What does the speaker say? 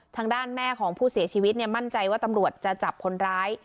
ทางด้านแม่ของผู้เสียชีวิตมั่นใจว่าตำรวจจะจับคนร้าย